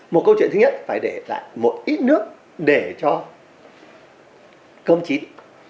một câu chuyện thứ nhất phải để lại một ít nước để cho cơm chín